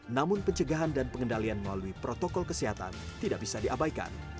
namun pencegahan dan pengendalian melalui protokol kesehatan tidak bisa diabaikan